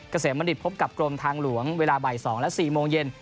เกษมบัณฑิตพบกับกรมทางหลวงเวลาบ่าย๒และ๔โมงเย็น